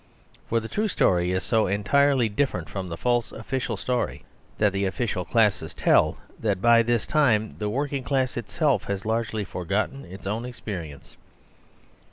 For the true story is so entirely different from the false official story that the official classes tell that by this time the working class itself has largely forgotten its own experience.